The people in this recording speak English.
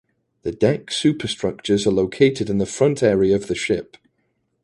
The deck superstructures are located in the front area of the ship.